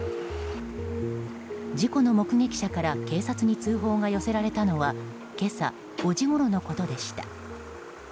事故の目撃者から警察に通報が寄せられたのは今朝５時ごろのことでした。